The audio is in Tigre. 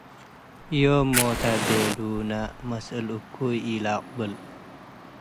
ዮም ሞተ ቤሉነ መስእል - እኩይ ኢለቅብል